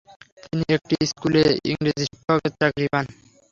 তিনি একটি স্কুলে ইংরেজি শিক্ষকের চাকরি পান।